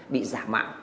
bị giả mạo